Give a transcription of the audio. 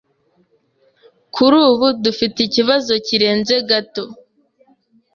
Kuri ubu, dufite ikibazo kirenze gato.